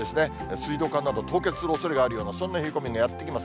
水道管など、凍結するおそれがあるような、そんな冷え込みがやって来ます。